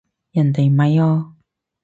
人哋咪哦